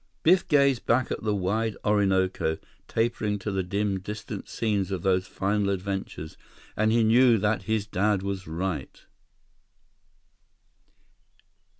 Biff gazed back at the wide Orinoco, tapering to the dim, distant scenes of those final adventures, and he knew that his dad was right.